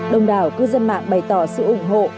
đông đảo cư dân mạng bày tỏ sự ủng hộ